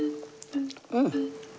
うん！